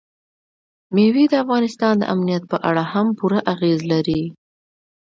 مېوې د افغانستان د امنیت په اړه هم پوره اغېز لري.